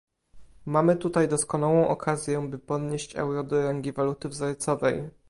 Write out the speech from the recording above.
Mamy tutaj doskonałą okazję, by podnieść euro do rangi waluty wzorcowej